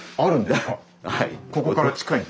はい。